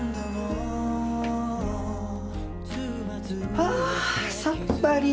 あさっぱり！